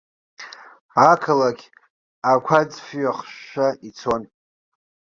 Ақалақь ақәаӡфҩы ахшәшәа ицон.